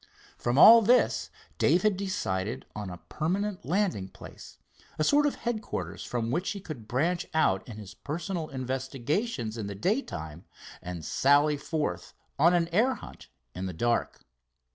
From all this Dave had decided on a permanent landing place, a sort of headquarters from which he could branch out in his personal investigations in the day time and sally forth on an air hunt in the dark.